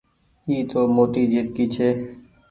اي تو موٽي جهرڪي ڇي۔